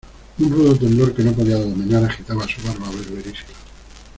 un rudo temblor que no podía dominar agitaba su barba berberisca.